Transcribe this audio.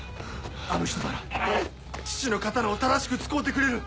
あの人なら父の刀を正しく使うてくれる！